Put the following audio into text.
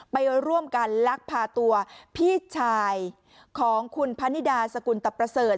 ไปร่วมกันลักพาตัวพี่ชายของคุณพนิดาสกุลตะประเสริฐ